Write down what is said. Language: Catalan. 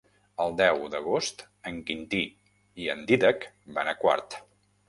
El deu d'agost en Quintí i en Dídac van a Quart.